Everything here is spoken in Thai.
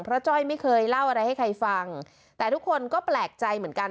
เพราะจ้อยไม่เคยเล่าอะไรให้ใครฟังแต่ทุกคนก็แปลกใจเหมือนกัน